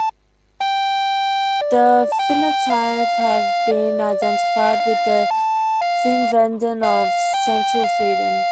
The Finnaithae have been identified with the Finnveden of central Sweden.